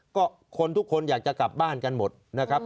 ก็คนทุกคนอยากจะกลับบ้านกันหมดนะครับ